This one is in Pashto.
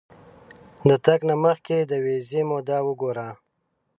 د تګ نه مخکې د ویزې موده وګوره.